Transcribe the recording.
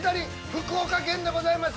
福岡県でございます。